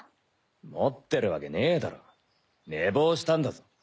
持ってるわけねえだろ寝坊したんだぞ。